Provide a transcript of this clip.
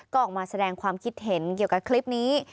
ก็ออกมาแสดงความคิดเห็นเกี่ยวกับคลิปนี้